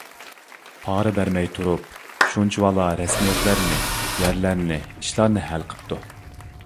پارا بەرمەي تۇرۇپ شۇنچىۋالا رەسمىيەتلەرنى، يەرلەرنى، ئىشلارنى ھەل قىپتۇ.